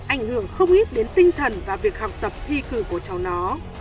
ảnh hưởng không ít đến tinh thần và việc học tập thi cử của cháu nó